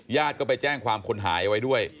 ญาติก็ไปแจ้งความคนหายไว้ด้วย